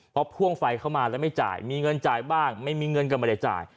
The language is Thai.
พอพ่วงไฟเข้ามาแล้วไม่จ่ายมีเงินจ่ายบ้างไม่มีเงินก็ไม่ได้จ่าย